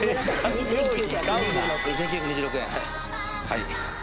はい。